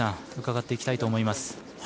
伺っていきたいと思います。